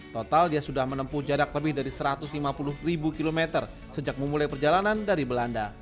total dia sudah menempuh jarak lebih dari satu ratus lima puluh km sejak memulai perjalanan dari belanda